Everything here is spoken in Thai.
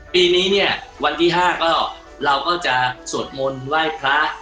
ปีนี้วันที่๕เราก็จะสวดมนต์ไหว้พระ